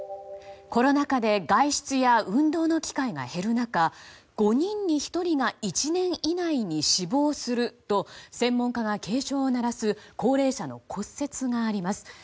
コロナ禍で外出や運動の機会が減る中５人に１人が１年以内に死亡すると専門家が警鐘を鳴らす高齢者の骨折があります。